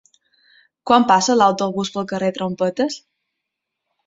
Quan passa l'autobús pel carrer Trompetes?